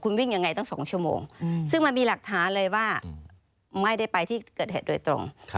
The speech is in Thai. คุณวิ่งยังไงตั้ง๒ชั่วโมงซึ่งมันมีหลักฐานเลยว่าไม่ได้ไปที่เกิดเหตุโดยตรง